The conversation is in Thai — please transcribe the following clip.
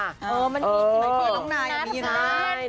มันมีจริงมันมีจริง